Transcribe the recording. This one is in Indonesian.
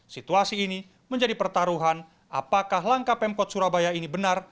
situasi ini menjadi pertaruhan apakah langkah pemkot surabaya ini benar